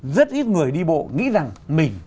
rất ít người đi bộ nghĩ rằng mình